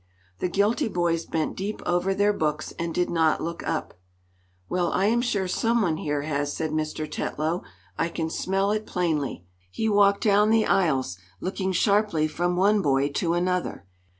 The guilty boys bent deep over their books and did not look up. "Well, I am sure someone here has," said Mr. Tetlow. "I can smell it plainly." He walked down the aisles, looking sharply from one boy to another.